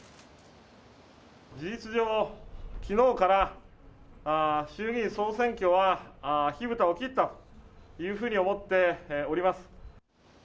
事実上、きのうから衆議院総選挙は火ぶたを切ったというふうに思っております。